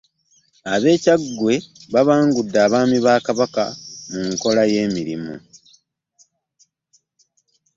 Ab'e Kyaggwe babanguddwa abaami ba Kabaka ku nkola y'emirimu